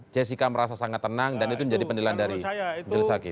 jessica merasa sangat tenang dan itu menjadi penilaian dari jelis hakim